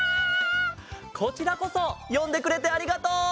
こちらこそよんでくれてありがとう！